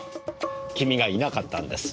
君がいなかったんです。